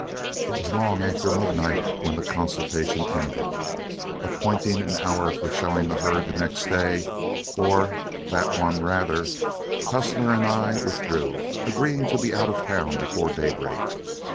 It was long after midnight when the consultation ended. Appointing an hour for showing the herd the next day, or that one rather, Tussler and I withdrew, agreeing to be out of town before daybreak.